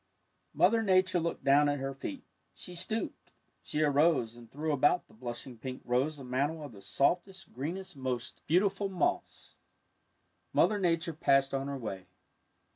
'' Mother Nature looked down at her feet. She stooped. She arose and threw about the blushing pink rose a mantle of the softest, greenest, most beautiful moss. Mother Nature passed on her way.